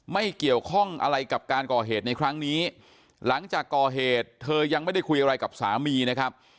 ไม่เกี่ยวข้องอะไรกับการก่อเหตุในครั้งนี้หลังจากก่อเหตุเธอยังไม่ได้คุยอะไรกับสามีนะครับ